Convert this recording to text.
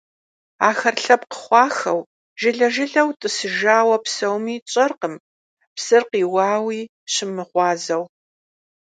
Ахэр лъэпкъ хъуахэу, жылэ-жылэу тӀысыжауэ псэуми, тщӀэркъым, псыр къиуауи щымыгъуазэу.